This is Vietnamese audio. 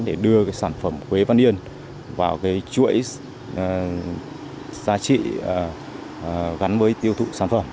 để đưa sản phẩm quế văn yên vào chuỗi giá trị gắn với tiêu thụ sản phẩm